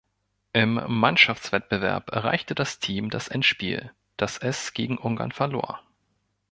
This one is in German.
Im Mannschaftswettbewerb erreichte das Team das Endspiel, das es gegen Ungarn verlor.